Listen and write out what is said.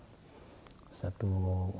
kalau denda itu dibilangkan saja